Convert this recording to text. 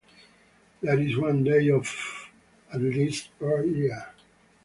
There is one day of at least per year.